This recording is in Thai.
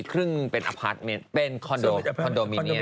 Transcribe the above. ครึ่งหนึ่งเป็นคอนโด